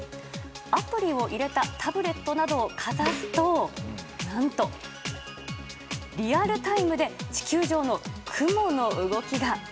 アプリを入れたタブレットなどをかざすと何と、リアルタイムで地球上の雲の動きが。